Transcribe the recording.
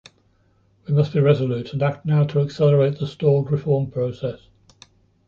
We must be resolute and act now to accelerate the stalled reform process.